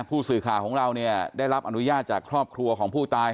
ผู้สื่อข่าวของเราเนี่ยได้รับอนุญาตจากครอบครัวของผู้ตาย